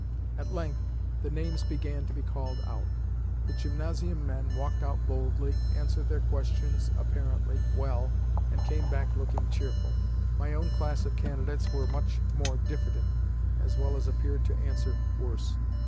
At length, the names began to be called out. The gymnasium men walked out boldly, answered their questions (apparently) well, and came back looking cheerful. My own class of candidates were much more diffident, as well as appeared to answer worse.